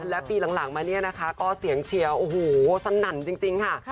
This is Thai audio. และปีหลังมาเนี่ยนะคะก็เสียงเชียร์โอ้โหสนั่นจริงค่ะ